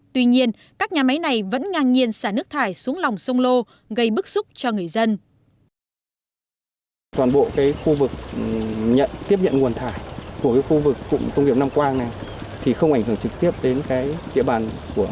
tuy nhiên các nhà máy này vẫn ngang nhiên xả nước thải xuống lòng sông lô gây bức xúc cho người dân